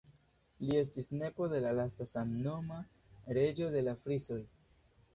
Li estis nepo de la lasta samnoma Reĝo de la Frisoj.